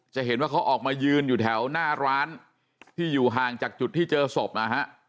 จะเห็นว่าเขาออกมายืนอยู่แถวหน้าร้านที่อยู่ห่างจากจุดที่เจอศพนะฮะ